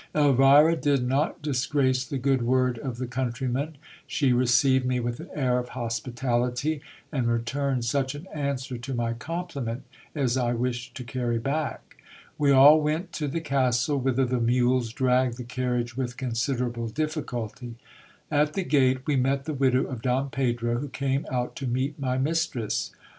Elvira did not disgrace the good word of the countryman. She received me with an air of hospitality, and returned such an answer to my compliment as I wished to carry back. We all went to the castle, whither the mules dragged the carriage with considerable difficulty. At the gate we met the widow of Don Pedro, who came out to meet my mistress.